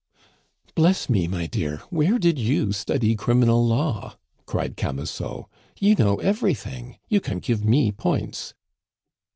"Bless me, my dear, where did you study criminal law?" cried Camusot. "You know everything; you can give me points."